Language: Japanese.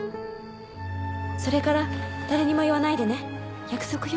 それから誰にも言わないでね約束よ。